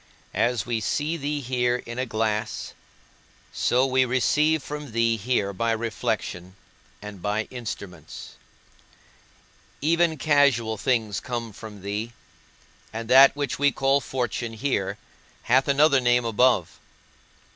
As we see thee here in a glass, so we receive from thee here by reflection and by instruments. Even casual things come from thee; and that which we call fortune here hath another name above.